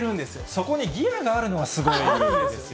そこにギアがあるのがすごいですよね。